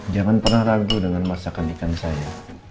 jangan pernah ragu dengan masakan ikan saya